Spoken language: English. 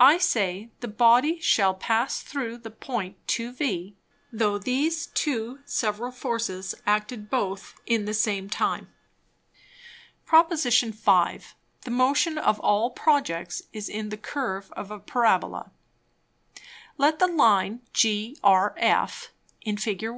I say, the Body shall pass through the Point to V, though these two several Forces acted both in the same time. Prop. V. The Motion of all Projects is in the Curve of a Parabola: Let the Line GRF (in Fig. 1.)